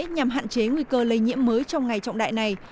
nhằm hạn chế nguy cơ lây nhiễm mới trong ngày trọng đại này